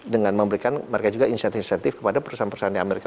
dengan memberikan mereka juga insentif insentif kepada perusahaan perusahaan di amerika